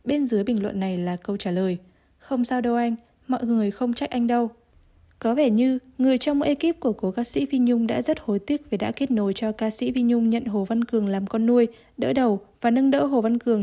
anh đang thấy có lỗi khi dụ chị nhung nhận nuôi hồ văn cường